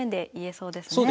そうですね。